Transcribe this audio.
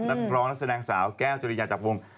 นักครองและแสดงสาวแก้วจริยาจากวง๒๗๓๐๐๗